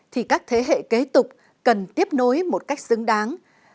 thì các thế hệ kế tục cần tiếp nối một cách xứng đáng